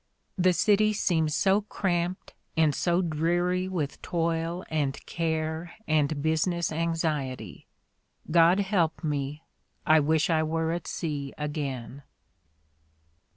The city seems so cramped and so dreary with toil and care and business anxiety. God help me, I wish I were at sea again!"